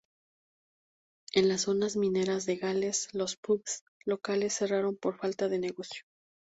En las zonas mineras de Gales, los "pubs" locales cerraron por falta de negocio.